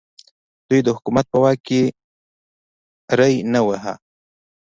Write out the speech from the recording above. دوی د حکومت په واک کې ری نه واهه.